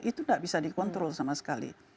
itu tidak bisa dikontrol sama sekali